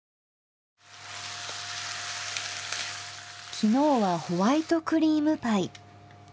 昨日はホワイトクリームパイ。